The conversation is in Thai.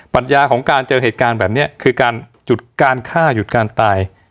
ปัญญาของการเจอเหตุการณ์แบบนี้คือการหยุดการฆ่าหยุดการตาย